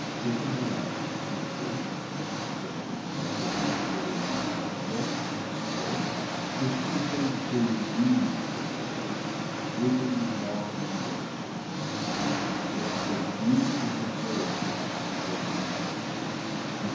"If a man," said this lover of literary anecdotes, "is to wait till he weaves anecdotes, we may be long in getting them, and get but few in comparison to what we might get."